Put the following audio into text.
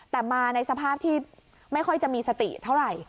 แต่มาในสภาพที่ไม่ค่อยจะมีสติเท่าไหร่